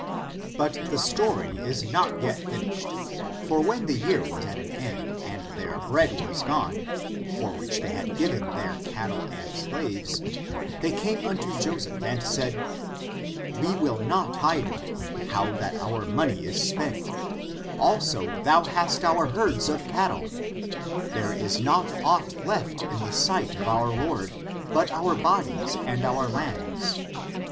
1» But the story is not yet finished ; for when the year was at an end, and their bread was gone, for which they had given their cattle and slaves, they came imto Joseph and said, '^ We will not hide it^ how that our money is spent, also thou hast our herds of cattle ; there is not aught left in the sight of our lord but our bodies and our lands.